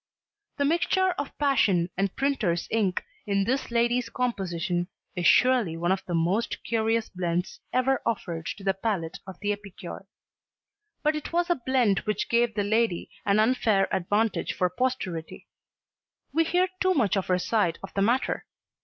The mixture of passion and printer's ink in this lady's composition is surely one of the most curious blends ever offered to the palate of the epicure. But it was a blend which gave the lady an unfair advantage for posterity. We hear too much of her side of the matter.